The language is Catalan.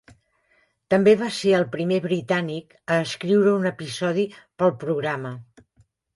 També va ser el primer britànic a escriure un episodi per al programa.